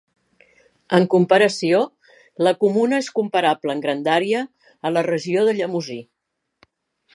En comparació, la comuna és comparable en grandària a la regió de Llemosí.